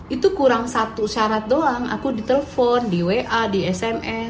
itu kurang satu syarat doang aku ditelepon di wa di sms